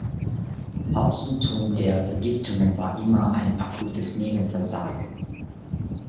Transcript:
Hauptsymptom der Vergiftungen war immer ein akutes Nierenversagen.